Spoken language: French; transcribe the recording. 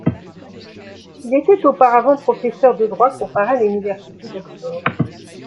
Il était auparavant professeur de droit comparé à l'Université d'Oxford.